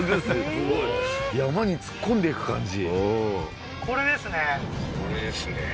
すごい山に突っ込んでいく感じ